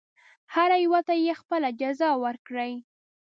هر یوه ته یې خپله جزا ورکړي.